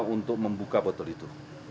untuk membuka botol itu